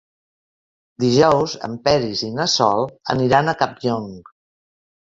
Dijous en Peris i na Sol aniran a Campllong.